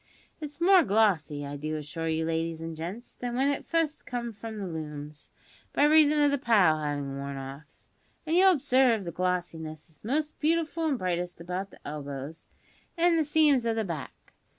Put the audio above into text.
It's more glossy, I do assure you, ladies and gents, than w'en it fust comed from the looms, by reason of the pile havin' worn off; and you'll obsarve that the glossiness is most beautiful and brightest about the elbows an' the seams o' the back.